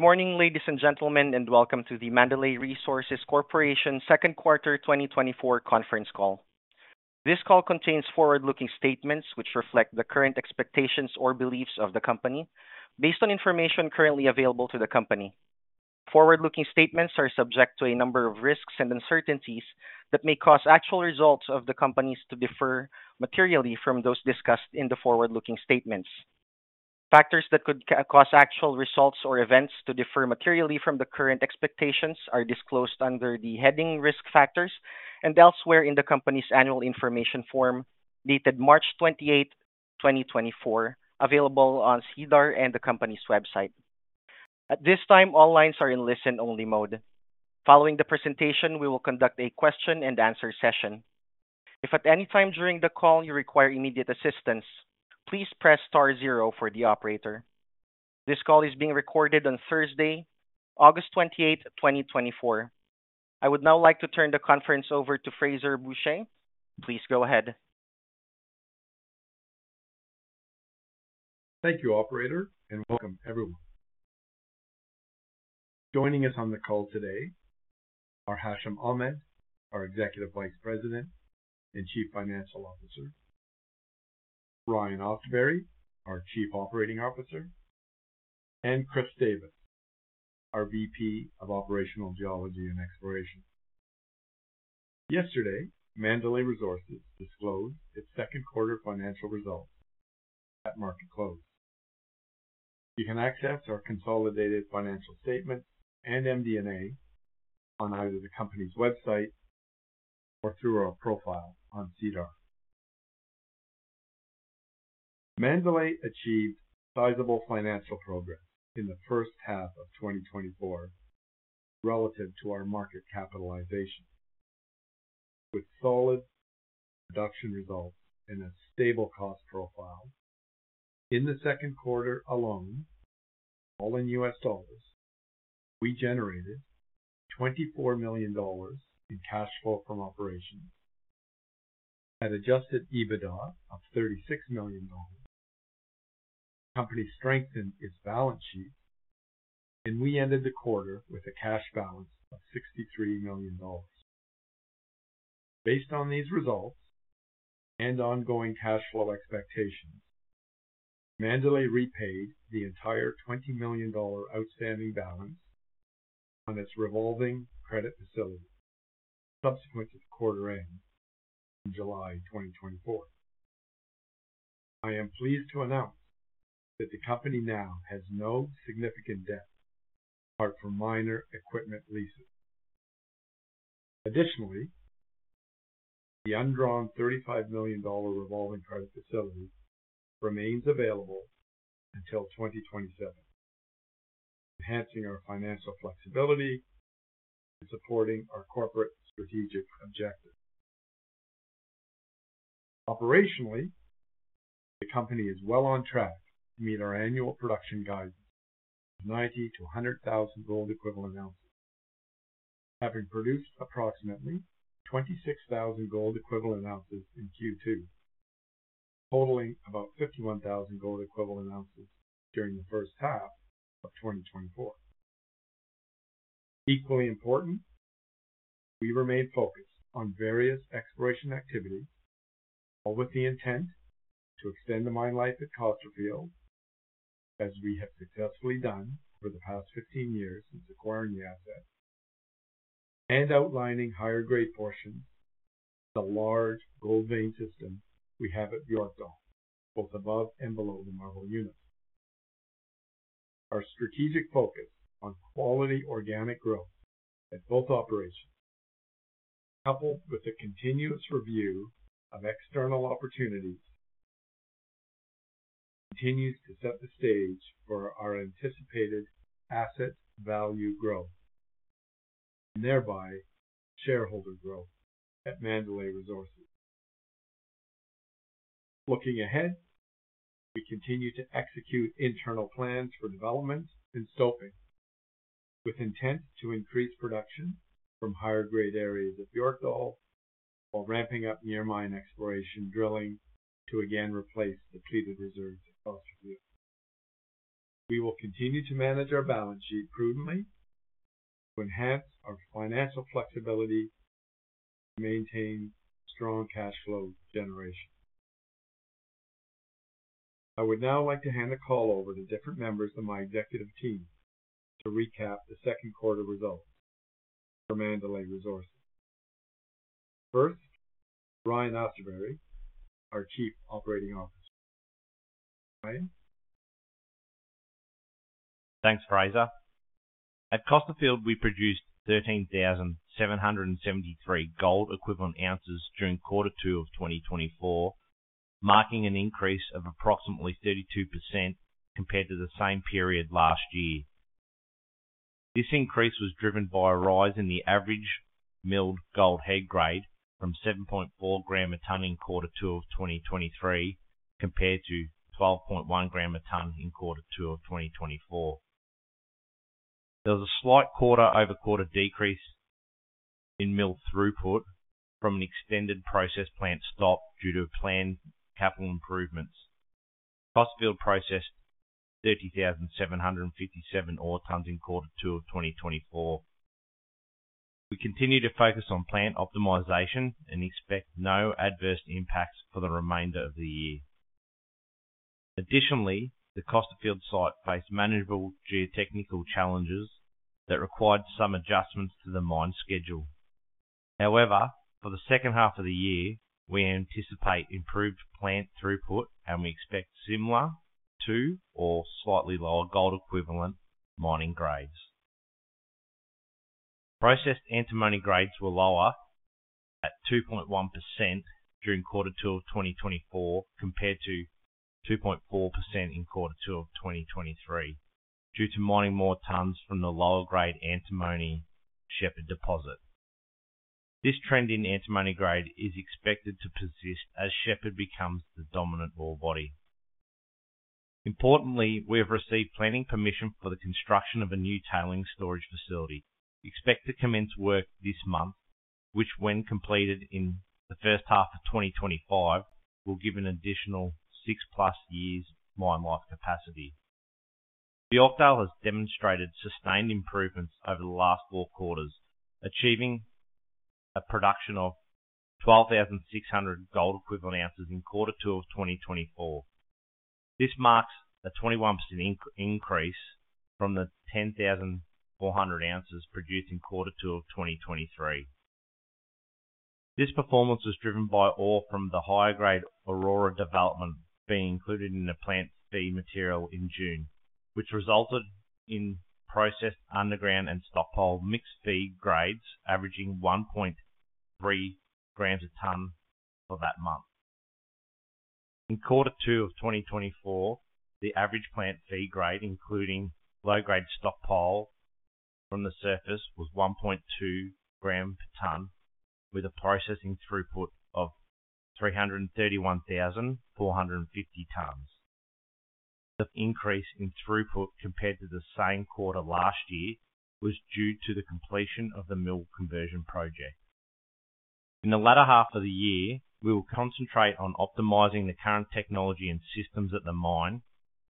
Good morning, ladies and gentlemen, and welcome to the Mandalay Resources Corporation Second Quarter 2024 conference call. This call contains forward-looking statements which reflect the current expectations or beliefs of the company based on information currently available to the company. Forward-looking statements are subject to a number of risks and uncertainties that may cause actual results of the company to differ materially from those discussed in the forward-looking statements. Factors that could cause actual results or events to differ materially from the current expectations are disclosed under the heading Risk Factors and elsewhere in the company's Annual Information Form, dated March 28, 2024, available on SEDAR and the company's website. At this time, all lines are in listen-only mode. Following the presentation, we will conduct a question and answer session. If at any time during the call you require immediate assistance, please press star zero for the operator. This call is being recorded on Thursday, August 28, 2024. I would now like to turn the conference over to Frazer Bourchier. Please go ahead. Thank you, operator, and welcome, everyone. Joining us on the call today are Hashim Ahmed, our Executive Vice President and Chief Financial Officer, Ryan Austerberry, our Chief Operating Officer, and Chris Davis, our VP of Operational Geology and Exploration. Yesterday, Mandalay Resources disclosed its second quarter financial results at market close. You can access our consolidated financial statements and MD&A on either the company's website or through our profile on SEDAR. Mandalay achieved sizable financial progress in the first half of 2024 relative to our market capitalization, with solid production results and a stable cost profile. In the second quarter alone, all in U.S. dollars, we generated $24 million in cash flow from operations and adjusted EBITDA of $36 million. The company strengthened its balance sheet, and we ended the quarter with a cash balance of $63 million. Based on these results and ongoing cash flow expectations, Mandalay repaid the entire $20 million outstanding balance on its revolving credit facility subsequent to the quarter end in July 2024. I am pleased to announce that the company now has no significant debt apart from minor equipment leases. Additionally, the undrawn $35 million revolving credit facility remains available until 2027, enhancing our financial flexibility and supporting our corporate strategic objectives. Operationally, the company is well on track to meet our annual production guidance of 90,000-100,000 gold equivalent ounces, having produced approximately 26,000 gold equivalent ounces in Q2, totaling about 51,000 gold equivalent ounces during the first half of 2024. Equally important, we remain focused on various exploration activities, all with the intent to extend the mine life at Costerfield, as we have successfully done for the past 15 years since acquiring the asset and outlining higher grade portions of the large gold vein system we have at Björkdal, both above and below the Marble Unit. Our strategic focus on quality organic growth at both operations, coupled with the continuous review of external opportunities, continues to set the stage for our anticipated asset value growth and thereby shareholder growth at Mandalay Resources. Looking ahead, we continue to execute internal plans for development and stoping, with intent to increase production from higher grade areas of Björkdal, while ramping up near-mine exploration, drilling to again replace the treated reserves at Costerfield. We will continue to manage our balance sheet prudently to enhance our financial flexibility and maintain strong cash flow generation. I would now like to hand the call over to different members of my executive team to recap the second quarter results for Mandalay Resources. First, Ryan Austerberry, our Chief Operating Officer. Ryan? Thanks, Frazer. At Costerfield, we produced 13,773 gold equivalent ounces during quarter two of 2024, marking an increase of approximately 32% compared to the same period last year. This increase was driven by a rise in the average milled gold head grade from 7.4 grams per ton in quarter two of 2023 compared to 12.1 grams per ton in quarter two of 2024. There was a slight quarter-over-quarter decrease in mill throughput from an extended process plant stop due to planned capital improvements. Costerfield processed 30,757 ore tons in quarter two of 2024. We continue to focus on plant optimization and expect no adverse impacts for the remainder of the year. Additionally, the Costerfield site faced manageable geotechnical challenges that required some adjustments to the mine schedule. However, for the second half of the year, we anticipate improved plant throughput, and we expect similar to or slightly lower gold-equivalent mining grades. Processed antimony grades were lower at 2.1% during quarter two of 2024, compared to 2.4% in quarter two of 2023, due to mining more tons from the lower-grade antimony Shepherd deposit. This trend in antimony grade is expected to persist as Shepherd becomes the dominant ore body. Importantly, we have received planning permission for the construction of a new tailings storage facility. Expect to commence work this month, which, when completed in the first half of 2025, will give an additional 6+ years mine life capacity. The Björkdal has demonstrated sustained improvements over the last four quarters, achieving a production of 12,600 gold equivalent ounces in quarter two of 2024. This marks a 21% increase from the 10,400 ounces produced in quarter two of 2023. This performance was driven by ore from the higher-grade Aurora development being included in the plant feed material in June, which resulted in processed underground and stockpile mixed feed grades averaging 1.3 grams per ton for that month. In quarter two of 2024, the average plant feed grade, including low-grade stockpile from the surface, was 1.2 grams per ton, with a processing throughput of 331,450 tons. The increase in throughput compared to the same quarter last year was due to the completion of the mill conversion project. In the latter half of the year, we will concentrate on optimizing the current technology and systems at the mine,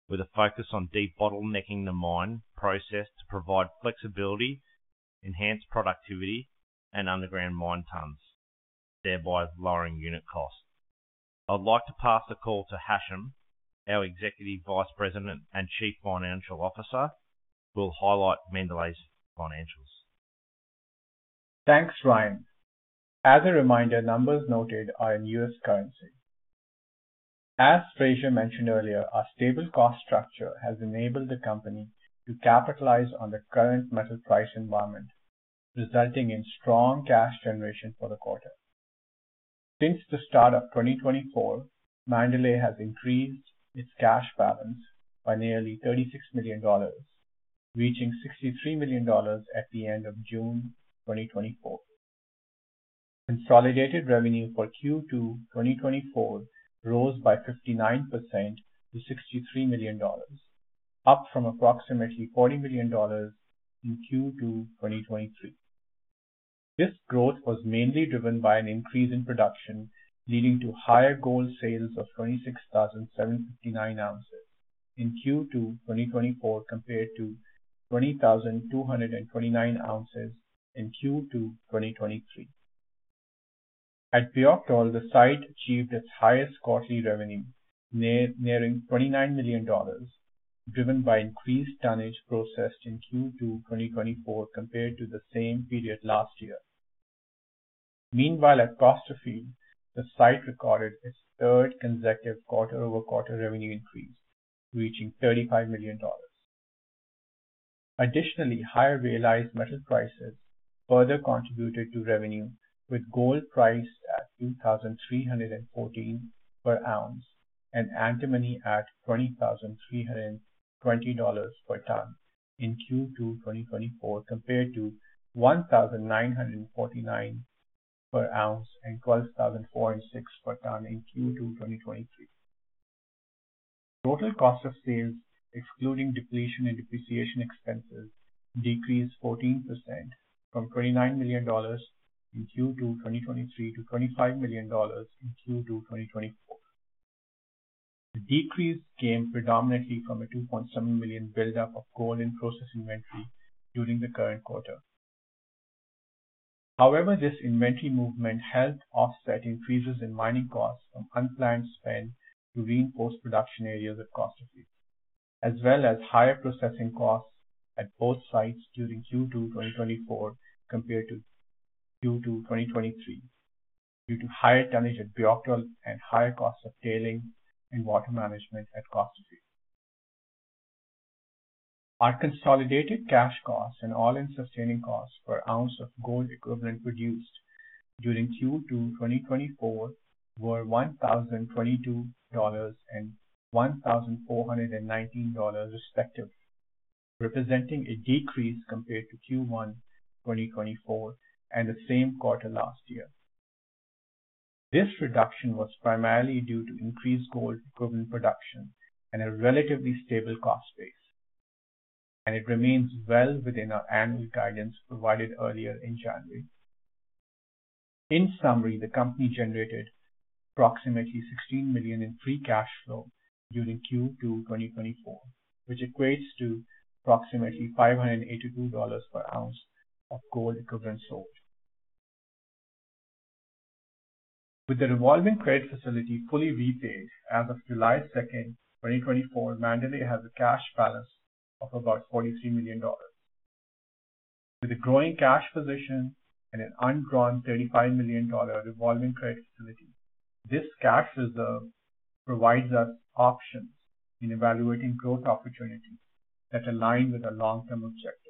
with a focus on de-bottlenecking the mine process to provide flexibility, enhance productivity and underground mine tons, thereby lowering unit cost. I'd like to pass the call to Hashim, our Executive Vice President and Chief Financial Officer, who will highlight Mandalay's financials. Thanks, Ryan. As a reminder, numbers noted are in US currency. As Frazer mentioned earlier, our stable cost structure has enabled the company to capitalize on the current metal price environment, resulting in strong cash generation for the quarter. Since the start of 2024, Mandalay has increased its cash balance by nearly $36 million, reaching $63 million at the end of June 2024. Consolidated revenue for Q2 2024 rose by 59% to $63 million, up from approximately $40 million in Q2 2023. This growth was mainly driven by an increase in production, leading to higher gold sales of 26,759 ounces in Q2 2024, compared to 20,229 ounces in Q2 2023. At Björkdal, the site achieved its highest quarterly revenue, nearing $29 million, driven by increased tonnage processed in Q2 2024 compared to the same period last year. Meanwhile, at Costerfield, the site recorded its third consecutive quarter-over-quarter revenue increase, reaching $35 million. Additionally, higher realized metal prices further contributed to revenue, with gold price at $2,314 per ounce and antimony at $20,320 per ton in Q2 2024, compared to $1,949 per ounce and $12,460 per ton in Q2 2023. Total cost of sales, excluding depletion and depreciation expenses, decreased 14% from $29 million in Q2 2023 to $25 million in Q2 2024. The decrease came predominantly from a $2.7 million buildup of gold in process inventory during the current quarter. However, this inventory movement helped offset increases in mining costs from unplanned spend to reinforce production areas at Costerfield, as well as higher processing costs at both sites during Q2 2024 compared to Q2 2023, due to higher tonnage at Björkdal and higher costs of tailings and water management at Costerfield. Our consolidated cash costs and all-in sustaining costs per ounce of gold equivalent produced during Q2 2024 were $1,022 and $1,419, respectively, representing a decrease compared to Q1 2024 and the same quarter last year. ...This reduction was primarily due to increased gold equivalent production and a relatively stable cost base, and it remains well within our annual guidance provided earlier in January. In summary, the company generated approximately $16 million in free cash flow during Q2 2024, which equates to approximately $582 per ounce of gold equivalent sold. With the revolving credit facility fully repaid as of July 2, 2024, Mandalay has a cash balance of about $43 million. With a growing cash position and an undrawn $35 million revolving credit facility, this cash reserve provides us options in evaluating growth opportunities that align with our long-term objectives.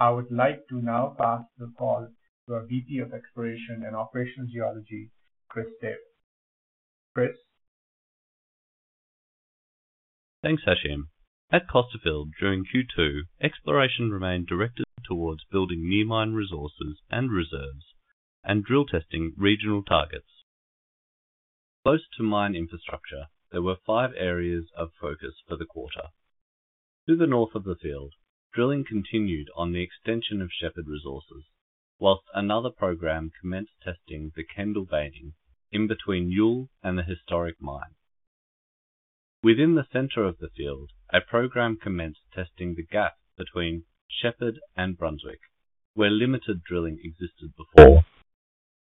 I would like to now pass the call to our VP of Exploration and Operational Geology, Chris Davis. Chris? Thanks, Hashim. At Costerfield, during Q2, exploration remained directed towards building near-mine resources and reserves and drill testing regional targets. Close to mine infrastructure, there were five areas of focus for the quarter. To the north of the field, drilling continued on the extension of Shepherd resources, whilst another program commenced testing the Kendall veining in between Youle and the historic mine. Within the center of the field, a program commenced testing the gap between Shepherd and Brunswick, where limited drilling existed before.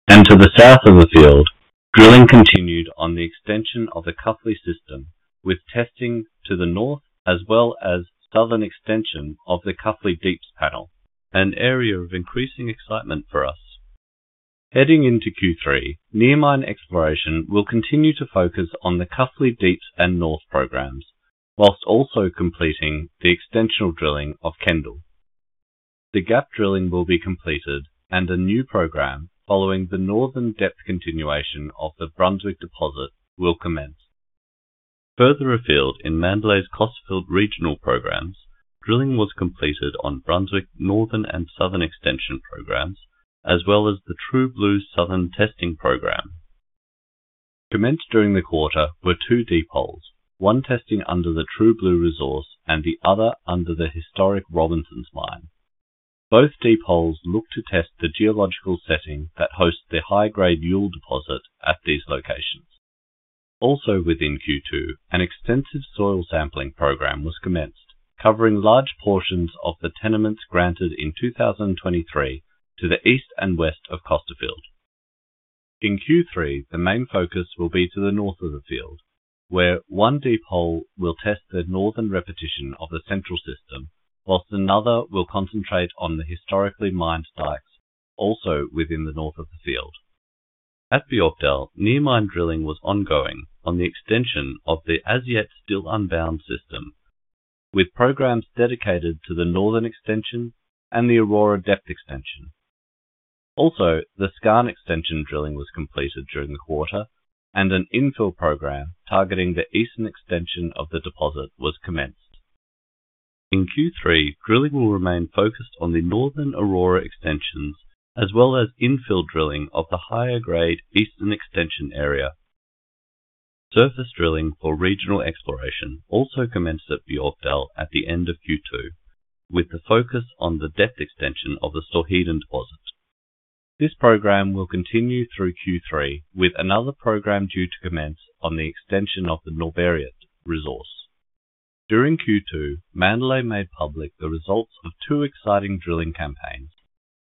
And to the south of the field, drilling continued on the extension of the Cuffley system, with testing to the north, as well as southern extension of the Cuffley Deeps panel, an area of increasing excitement for us. Heading into Q3, near-mine exploration will continue to focus on the Cuffley Deeps and North programs, whilst also completing the extensional drilling of Kendall. The gap drilling will be completed, and a new program, following the northern depth continuation of the Brunswick deposit, will commence. Further afield in Mandalay's Costerfield regional programs, drilling was completed on Brunswick northern and southern extension programs, as well as the True Blue southern testing program. Commenced during the quarter were two deep holes, one testing under the True Blue resource and the other under the historic Robinsons mine. Both deep holes look to test the geological setting that hosts the high-grade Youle deposit at these locations. Also within Q2, an extensive soil sampling program was commenced, covering large portions of the tenements granted in 2023 to the east and west of Costerfield. In Q3, the main focus will be to the north of the field, where one deep hole will test the northern repetition of the central system, while another will concentrate on the historically mined strikes, also within the north of the field. At Björkdal, near-mine drilling was ongoing on the extension of the as-yet-still-unmined system, with programs dedicated to the northern extension and the Aurora depth extension. Also, the Skarn Extension drilling was completed during the quarter, and an infill program targeting the Eastern Extension of the deposit was commenced. In Q3, drilling will remain focused on the northern Aurora extensions, as well as infill drilling of the higher-grade Eastern Extension area. Surface drilling for regional exploration also commenced at Björkdal at the end of Q2, with the focus on the depth extension of the Storheden deposit. This program will continue through Q3, with another program due to commence on the extension of the Norberg resource. During Q2, Mandalay made public the results of two exciting drilling campaigns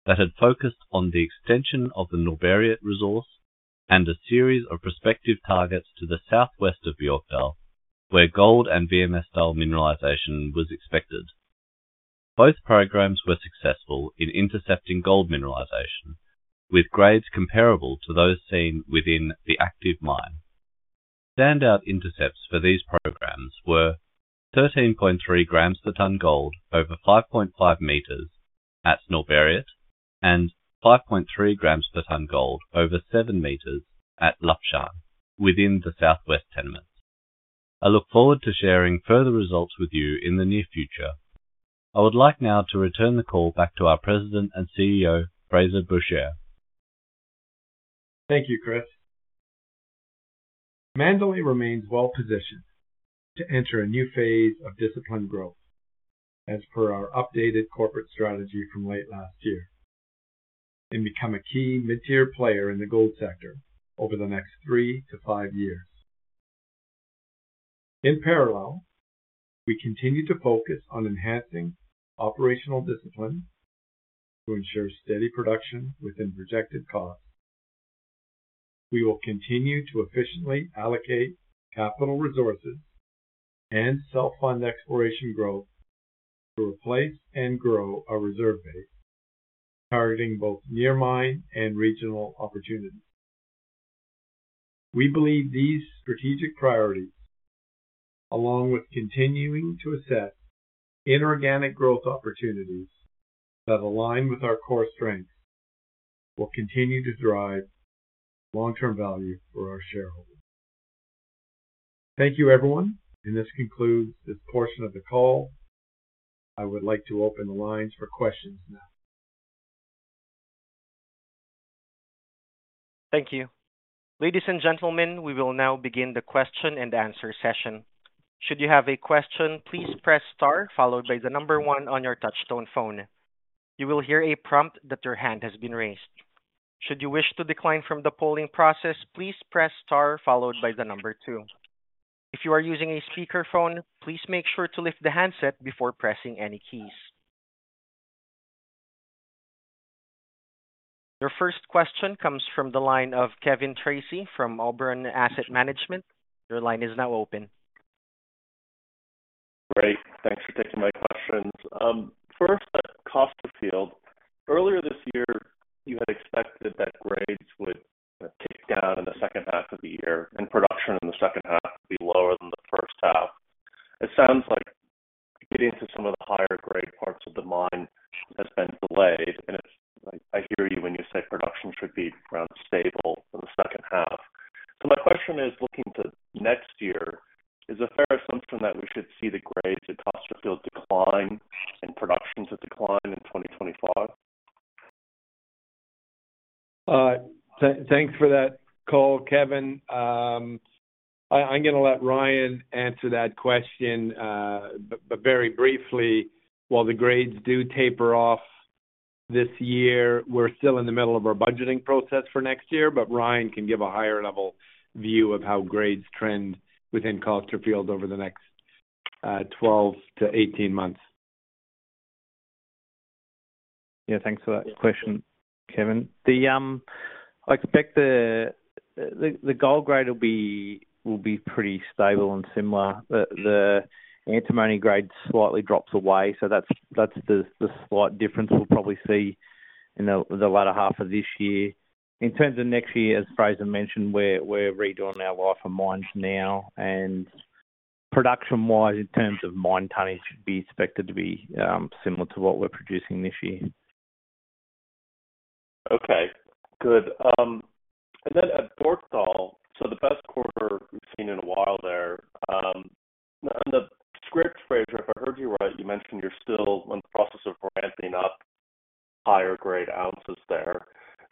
that had focused on the extension of the Norberg resource and a series of prospective targets to the southwest of Björkdal, where gold and VMS-style mineralization was expected. Both programs were successful in intercepting gold mineralization, with grades comparable to those seen within the active mine. Standout intercepts for these programs were 13.3 grams per ton gold over 5.5 meters at Norberg and 5.3 grams per ton gold over 7 meters at Lapptjärn, within the Southwest tenements. I look forward to sharing further results with you in the near future. I would like now to return the call back to our President and CEO, Frazer Bourchier. Thank you, Chris. Mandalay remains well positioned to enter a new phase of disciplined growth as per our updated corporate strategy from late last year, and become a key mid-tier player in the gold sector over the next three to five years. In parallel, we continue to focus on enhancing operational discipline to ensure steady production within projected costs. We will continue to efficiently allocate capital resources and self-fund exploration growth to replace and grow our reserve base, targeting both near-mine and regional opportunities. We believe these strategic priorities, along with continuing to assess inorganic growth opportunities that align with our core strengths, will continue to drive long-term value for our shareholders.... Thank you, everyone, and this concludes this portion of the call. I would like to open the lines for questions now. Thank you. Ladies and gentlemen, we will now begin the question-and-answer session. Should you have a question, please press star followed by the number one on your touchtone phone. You will hear a prompt that your hand has been raised. Should you wish to decline from the polling process, please press star followed by the number two. If you are using a speakerphone, please make sure to lift the handset before pressing any keys. Your first question comes from the line of Kevin Treacy from Oberon Asset Management,. Your line is now open. Great. Thanks for taking my questions. First, at Costerfield, earlier this year, you had expected that grades would take down in the second half of the year and production in the second half would be lower than the first half. It sounds like getting to some of the higher grade parts of the mine has been delayed, and it's like I hear you when you say production should be around stable in the second half. So my question is looking to next year: Is a fair assumption that we should see the grades at Costerfield decline and production to decline in 2025? Thanks for that call, Kevin. I'm gonna let Ryan answer that question. But very briefly, while the grades do taper off this year, we're still in the middle of our budgeting process for next year, but Ryan can give a higher level view of how grades trend within Costerfield over the next 12-18 months. Yeah, thanks for that question, Kevin. I expect the gold grade will be pretty stable and similar. The antimony grade slightly drops away, so that's the slight difference we'll probably see in the latter half of this year. In terms of next year, as Frazer mentioned, we're redoing our Life of Mine now, and production-wise, in terms of mine tonnage, should be expected to be similar to what we're producing this year. Okay, good. And then at Björkdal, so the best quarter we've seen in a while there, and the script, Frazer, if I heard you right, you mentioned you're still in the process of ramping up higher grade ounces there.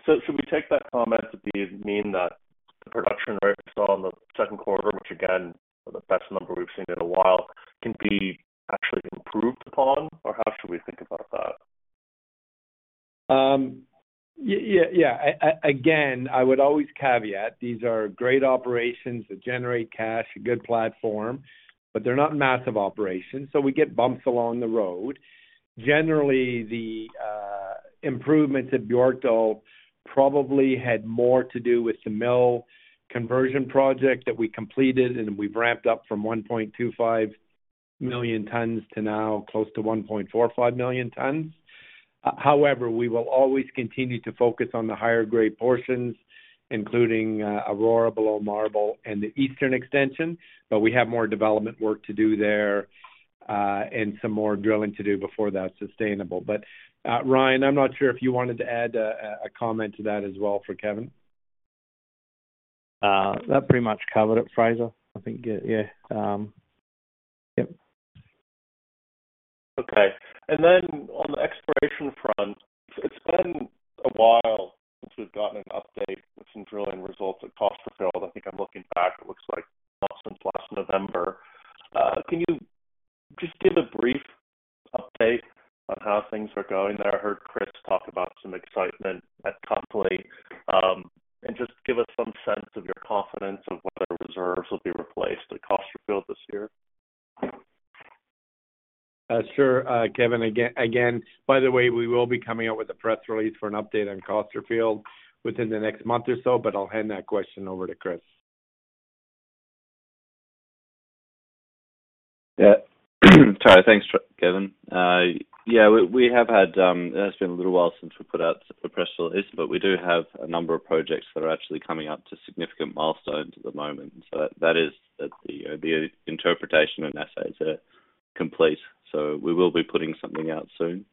So should we take that comment to mean that the production rates on the second quarter, which again, are the best number we've seen in a while, can be actually improved upon, or how should we think about that? Yeah, yeah. Again, I would always caveat, these are great operations that generate cash, a good platform, but they're not massive operations, so we get bumps along the road. Generally, the improvements at Björkdal probably had more to do with the mill conversion project that we completed, and we've ramped up from 1.25 million tons to now close to 1.45 million tons. However, we will always continue to focus on the higher grade portions, including Aurora, Below Marble, and the Eastern Extension, but we have more development work to do there, and some more drilling to do before that's sustainable. But, Ryan, I'm not sure if you wanted to add a comment to that as well for Kevin. That pretty much covered it, Frazer. I think, yeah. Yep. Okay. And then on the exploration front, it's been a while since we've gotten an update with some drilling results at Costerfield. I think I'm looking back, it looks like since last November. Can you just give a brief update on how things are going there? I heard Chris talk about some excitement at Cuffley. And just give us some sense of your confidence of whether reserves will be replaced at Costerfield this year. Sure, Kevin. Again, by the way, we will be coming out with a press release for an update on Costerfield within the next month or so, but I'll hand that question over to Chris. Yeah. Sorry. Thanks, Kevin. Yeah, we have had, it's been a little while since we put out a press release, but we do have a number of projects that are actually coming up to significant milestones at the moment. So that is the interpretation and assays are complete, so we will be putting something out soon.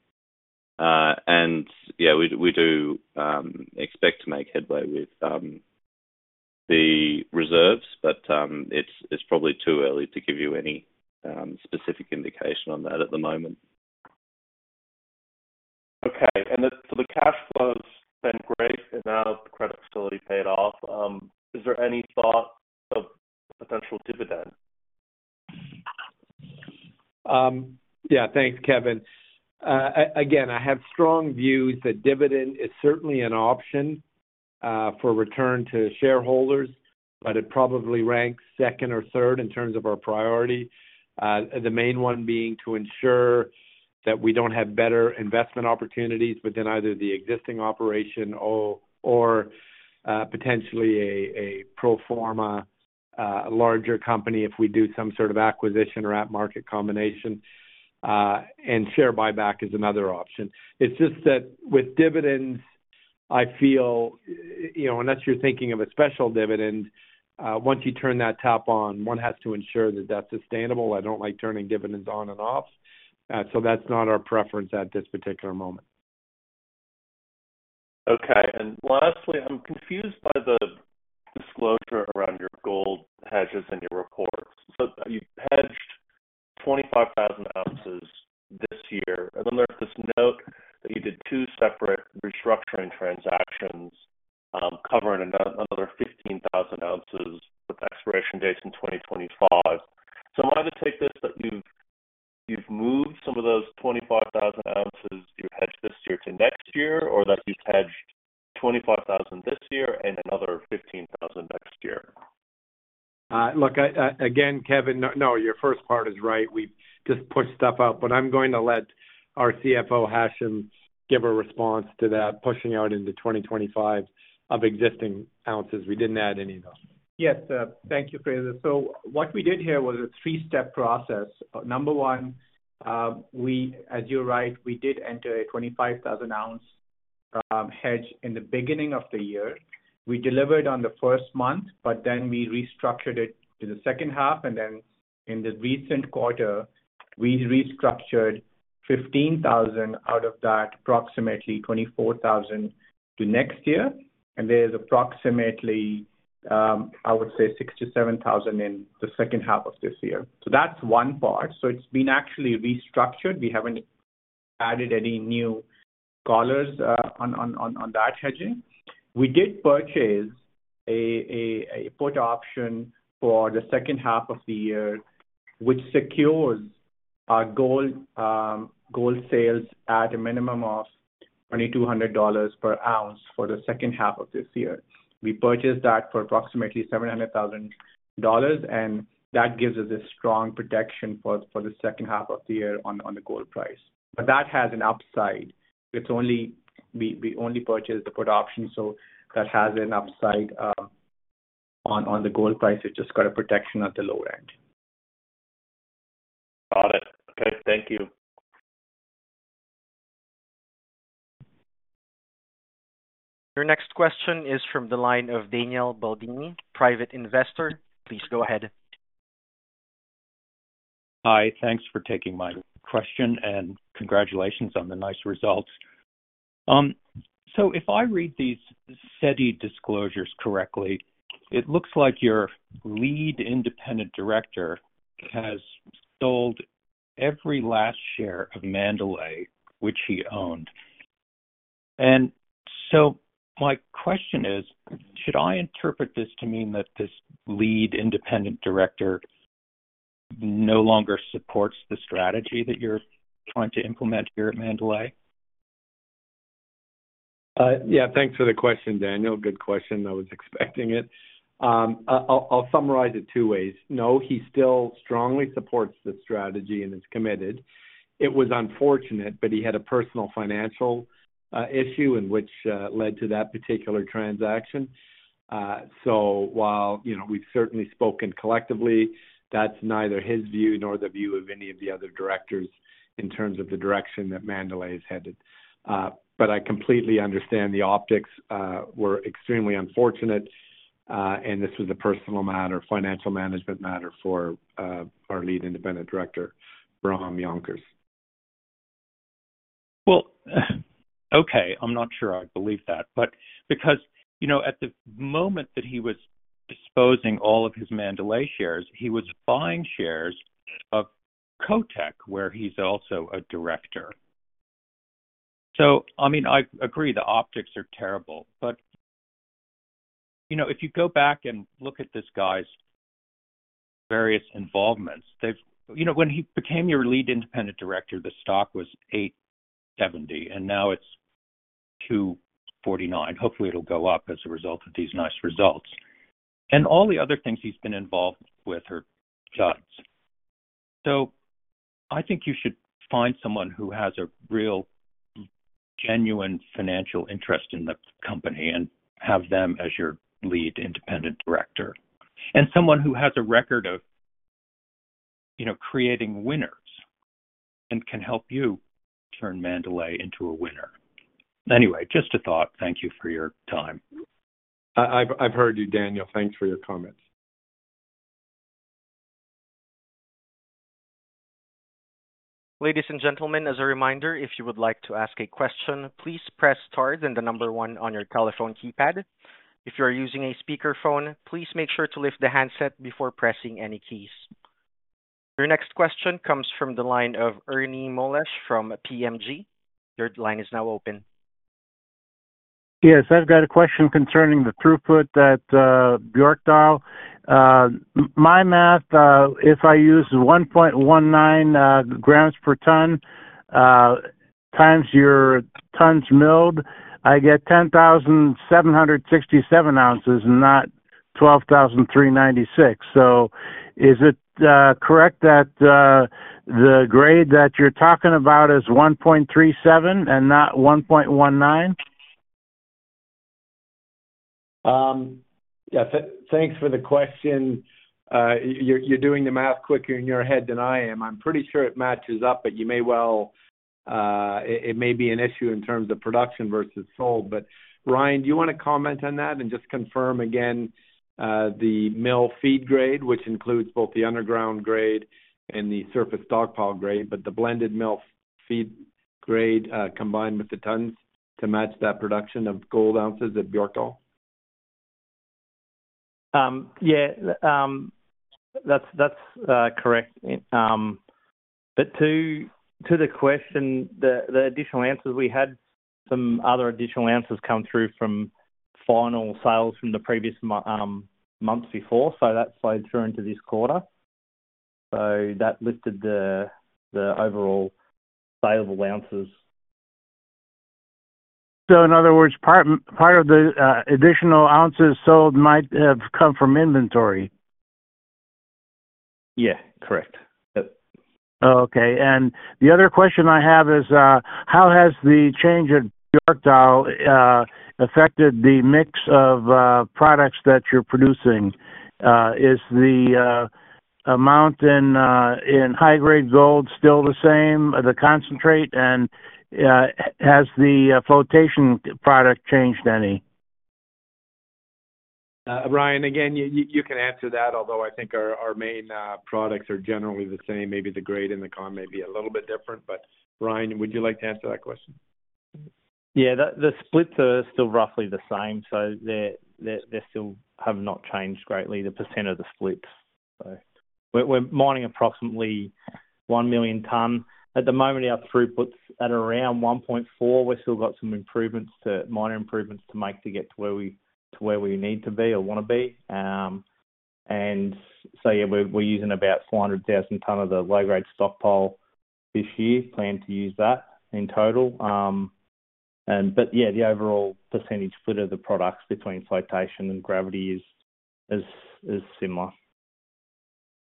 And yeah, we do expect to make headway with the reserves, but it's probably too early to give you any specific indication on that at the moment. Okay. And so the cash flow's been great, and now the credit facility's paid off. Is there any thought of potential dividend? Yeah, thanks, Kevin. Again, I have strong views that dividend is certainly an option for return to shareholders, but it probably ranks second or third in terms of our priority. The main one being to ensure that we don't have better investment opportunities within either the existing operation or potentially a pro forma larger company, if we do some sort of acquisition or at market combination, and share buyback is another option. It's just that with dividends, I feel, you know, unless you're thinking of a special dividend, once you turn that tap on, one has to ensure that that's sustainable. I don't like turning dividends on and off. So that's not our preference at this particular moment.... Okay, and lastly, I'm confused by the disclosure around your gold hedges in your reports. So you hedged 25,000 ounces this year, and then there's this note that you did two separate restructuring transactions, covering another 15,000 ounces with expiration dates in 2025. So am I to take this that you've, you've moved some of those 25,000 ounces you hedged this year to next year, or that you've hedged 25,000 this year and another 15,000 next year? Look, again, Kevin, no, no, your first part is right. We've just pushed stuff out, but I'm going to let our CFO, Hashim, give a response to that, pushing out into 2025 of existing ounces. We didn't add any, though. Yes, thank you, Frazer. So what we did here was a three-step process. Number one, we, as you're right, we did enter a 25,000 ounce hedge in the beginning of the year. We delivered on the first month, but then we restructured it to the second half, and then in the recent quarter, we restructured 15,000 out of that, approximately 24,000 to next year. And there's approximately, I would say, 67,000 in the second half of this year. So that's one part. So it's been actually restructured. We haven't added any new collars on that hedging. We did purchase a put option for the second half of the year, which secures our gold sales at a minimum of $2,200 per ounce for the second half of this year. We purchased that for approximately $700,000, and that gives us a strong protection for the second half of the year on the gold price. But that has an upside. We only purchased the put option, so that has an upside on the gold price. It's just got a protection at the low end. Got it. Okay, thank you. Your next question is from the line of Daniel Baldini, private investor. Please go ahead. Hi, thanks for taking my question, and congratulations on the nice results. So if I read these SEDI disclosures correctly, it looks like your lead independent director has sold every last share of Mandalay, which he owned. And so my question is, should I interpret this to mean that this lead independent director no longer supports the strategy that you're trying to implement here at Mandalay? Yeah, thanks for the question, Daniel. Good question, I was expecting it. I'll summarize it two ways. No, he still strongly supports the strategy and is committed. It was unfortunate, but he had a personal financial issue in which led to that particular transaction. So while, you know, we've certainly spoken collectively, that's neither his view nor the view of any of the other directors in terms of the direction that Mandalay is headed. But I completely understand the optics were extremely unfortunate, and this was a personal matter, financial management matter for our lead independent director, Bram Jonker. Well, okay, I'm not sure I believe that, but because, you know, at the moment that he was disposing all of his Mandalay shares, he was buying shares of CoTec, where he's also a director. So I mean, I agree the optics are terrible, but, you know, if you go back and look at this guy's various involvements, they've... You know, when he became your lead independent director, the stock was $8.70, and now it's $2.49. Hopefully, it'll go up as a result of these nice results. And all the other things he's been involved with are shots. So I think you should find someone who has a real genuine financial interest in the company and have them as your lead independent director, and someone who has a record of, you know, creating winners and can help you turn Mandalay into a winner. Anyway, just a thought. Thank you for your time. I've heard you, Daniel. Thanks for your comments. Ladies and gentlemen, as a reminder, if you would like to ask a question, please press star then the number one on your telephone keypad. If you are using a speakerphone, please make sure to lift the handset before pressing any keys. Your next question comes from the line of Ernie Molash from PMG. Your line is now open. Yes, I've got a question concerning the throughput at Björkdal. My math, if I use 1.19 grams per ton times your tons milled, I get 10,767 ounces, not 12,396. So is it correct that the grade that you're talking about is 1.37 and not 1.19? Yeah, thanks for the question. You're doing the math quicker in your head than I am. I'm pretty sure it matches up, but you may well, it may be an issue in terms of production versus sold. But, Ryan, do you want to comment on that and just confirm again, the mill feed grade, which includes both the underground grade and the surface stockpile grade, but the blended mill feed grade, combined with the tons to match that production of gold ounces at Björkdal?... Yeah, that's correct. But to the question, the additional answers, we had some other additional answers come through from final sales from the previous months before, so that flowed through into this quarter. So that lifted the overall saleable ounces. So in other words, part of the additional ounces sold might have come from inventory? Yeah, correct. Yep. Oh, okay. And the other question I have is, how has the change at Björkdal affected the mix of products that you're producing? Is the amount in high-grade gold still the same, the concentrate? And, has the flotation product changed any? Ryan, again, you can answer that, although I think our main products are generally the same. Maybe the grade and the con may be a little bit different, but Ryan, would you like to answer that question? Yeah, the splits are still roughly the same, so they still have not changed greatly, the percent of the splits. So we're mining approximately 1 million tons. At the moment, our throughput's at around 1.4. We've still got some minor improvements to make to get to where we need to be or want to be. And so yeah, we're using about 400,000 tons of the low-grade stockpile this year, plan to use that in total. And but yeah, the overall percentage split of the products between flotation and gravity is similar.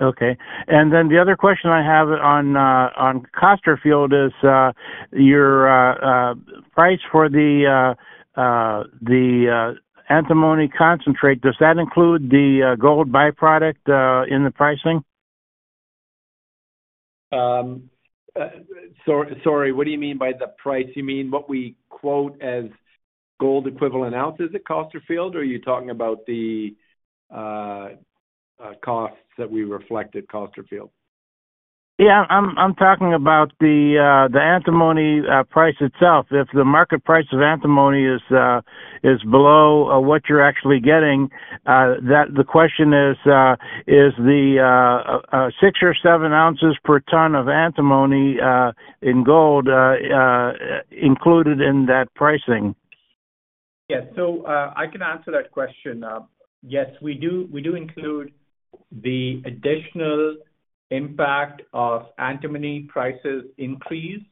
Okay. And then the other question I have on Costerfield is your price for the antimony concentrate. Does that include the gold byproduct in the pricing? Sorry, what do you mean by the price? You mean what we quote as gold equivalent ounces at Costerfield, or are you talking about the costs that we reflect at Costerfield? Yeah, I'm talking about the antimony price itself. If the market price of antimony is below what you're actually getting, the question is, is the 6 or 7 ounces per ton of antimony in gold included in that pricing? Yeah. So, I can answer that question. Yes, we do, we do include the additional impact of antimony prices increase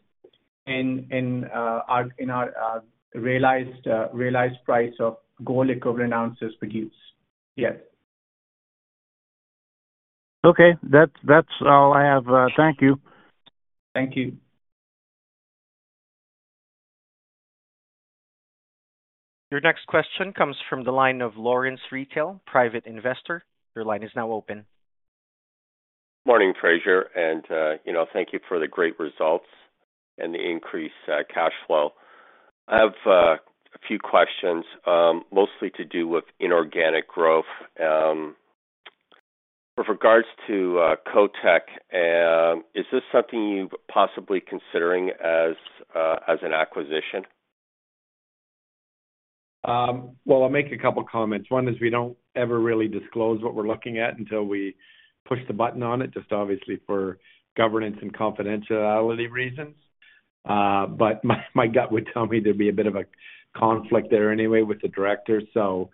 in our realized price of gold equivalent ounces produced. Yes. Okay. That's, that's all I have. Thank you. Thank you. Your next question comes from the line of Lawrence Roulston, private investor. Your line is now open. Morning, Frazer, and you know, thank you for the great results and the increased cash flow. I have a few questions, mostly to do with inorganic growth. With regards to CoTec, is this something you're possibly considering as an acquisition? Well, I'll make a couple of comments. One is, we don't ever really disclose what we're looking at until we push the button on it, just obviously for governance and confidentiality reasons. But my gut would tell me there'd be a bit of a conflict there anyway with the directors. So,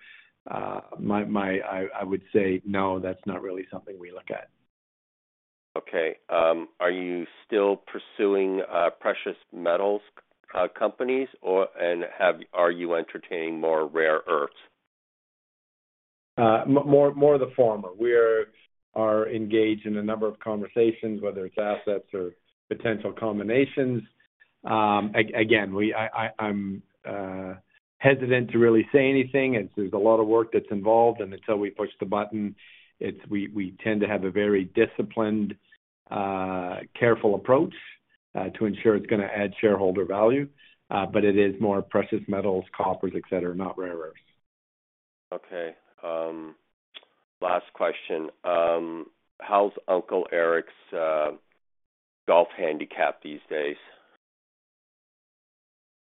I would say no, that's not really something we look at. Okay. Are you still pursuing precious metals companies, or and have, are you entertaining more rare earths? More the former. We are engaged in a number of conversations, whether it's assets or potential combinations. Again, I'm hesitant to really say anything, as there's a lot of work that's involved, and until we push the button, we tend to have a very disciplined, careful approach to ensure it's gonna add shareholder value. But it is more precious metals, coppers, et cetera, not rare earths. Okay. Last question. How's Uncle Eric's golf handicap these days?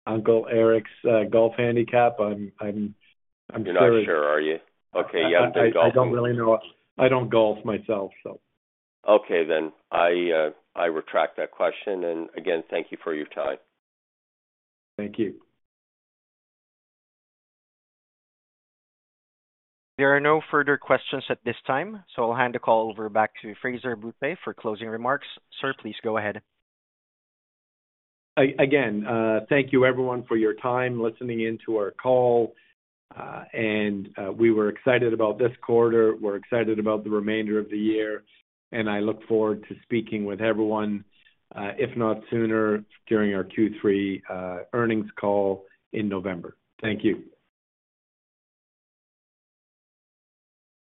Uncle Eric's golf handicap? I'm pretty- You're not sure, are you? Okay, yeah, good golfing. I don't really know. I don't golf myself, so. Okay, then I retract that question, and again, thank you for your time. Thank you. There are no further questions at this time, so I'll hand the call over back to Frazer Bourchier for closing remarks. Sir, please go ahead. Again, thank you everyone for your time, listening in to our call, and we were excited about this quarter. We're excited about the remainder of the year, and I look forward to speaking with everyone, if not sooner, during our Q3 earnings call in November. Thank you.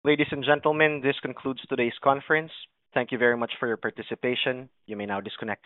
Ladies and gentlemen, this concludes today's conference. Thank you very much for your participation. You may now disconnect.